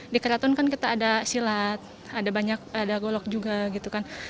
di keraton kan kita ada silat ada banyak ada golok juga gitu kan